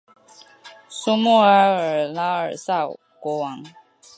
苏穆埃尔拉尔萨国王。